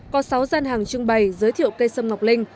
có sáu gian hàng trưng bày giới thiệu cây sâm ngọc linh